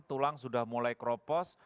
tulang sudah mulai kropos